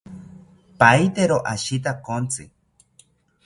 Pahitero ashitakontzi